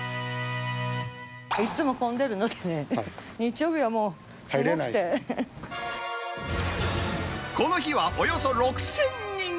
いつも混んでるのでね、この日はおよそ６０００人。